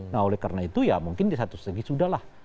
nah oleh karena itu ya mungkin di satu segi sudah lah